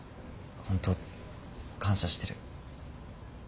本当感謝してる。